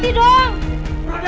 tenteng juga kamu